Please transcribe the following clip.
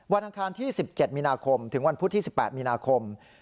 อังคารที่๑๗มีนาคมถึงวันพุธที่๑๘มีนาคม